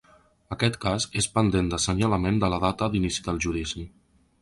Aquest cas és pendent d’assenyalament de la data d’inici del judici.